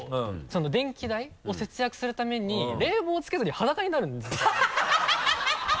電気代を節約するために冷房をつけずに裸になるんですよハハハ